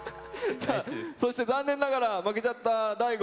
そして残念ながら負けちゃった大吾。